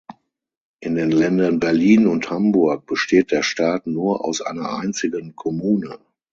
In den Ländern Berlin und Hamburg besteht der Staat nur aus einer einzigen Kommune.